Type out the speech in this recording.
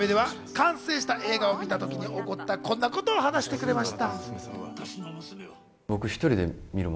インタビューでは完成した映画を見た時に起こったこんなことを話してくれました。